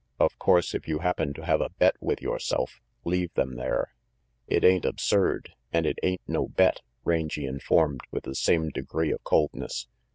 "Of course, if you happen to have a bet with yourself, leave them there." "It ain't absurd, an' it ain't no bet," Rangy informed, with the same degree of coldness.